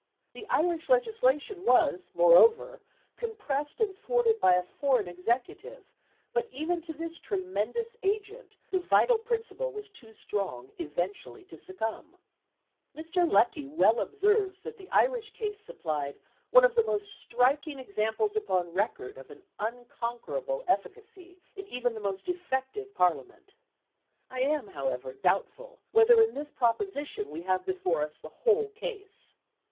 The Irish Legislation was, moreover, compressed and thwarted by a foreign executive; but even to this tremendous agent the vital principle was too strong eventually to succumb. Mr. Lecky well observes that the Irish case supplied "one of the most striking examples upon record" of an unconquerable efficacy in even the most defective Parliament. I am, however, doubtful whether in this proposition we have before us the whole case.